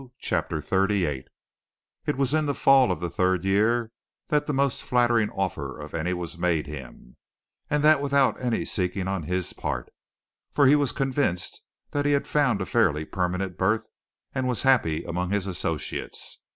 CHAPTER XXXVIII It was in the fall of the third year that the most flattering offer of any was made him, and that without any seeking on his part, for he was convinced that he had found a fairly permanent berth and was happy among his associates.